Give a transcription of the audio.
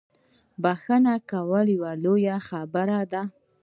بخښنه کول لویه خبره ده